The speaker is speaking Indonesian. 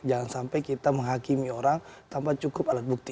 jangan sampai kita menghakimi orang tanpa cukup alat bukti